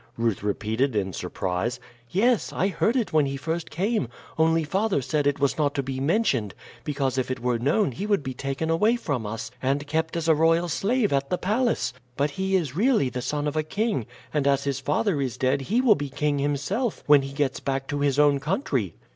Ruth repeated in surprise. "Yes, I heard it when he first came; only father said it was not to be mentioned, because if it were known he would be taken away from us and kept as a royal slave at the palace. But he is really the son of a king, and as his father is dead he will be king himself when he gets back to his own country."